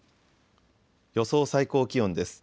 予想最高気温です。